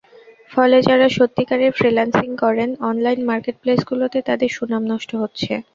ফলে, যাঁরা সত্যিকারের ফ্রিল্যান্সিং করেন, অনলাইন মার্কেটপ্লেসগুলোতে তাঁদের সুনাম নষ্ট হচ্ছে।